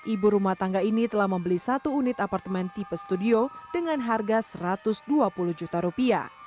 ibu rumah tangga ini telah membeli satu unit apartemen tipe studio dengan harga rp satu ratus dua puluh juta rupiah